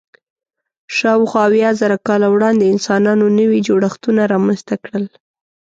شاوخوا اویا زره کاله وړاندې انسانانو نوي جوړښتونه رامنځ ته کړل.